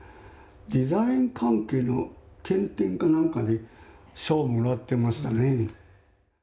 デザイン関係の県展か何かで賞をもらってましたねえ。